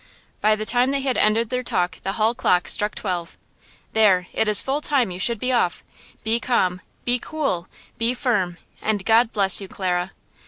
By the time they had ended their talk the hall clock struck twelve. "There! it is full time you should be off! Be calm, be cool, be firm, and God bless you, Clara!